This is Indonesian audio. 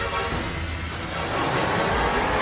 kau atau aku